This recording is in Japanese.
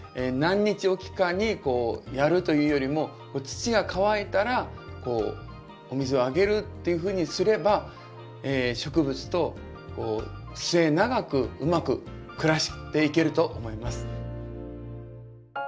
何日おきかにやるというよりも土が乾いたらお水をあげるっていうふうにすれば植物と末長くうまく暮らしていけると思います。